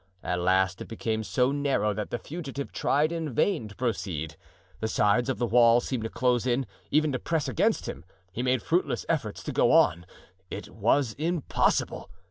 At last it became so narrow that the fugitive tried in vain to proceed. The sides of the walls seem to close in, even to press against him. He made fruitless efforts to go on; it was impossible.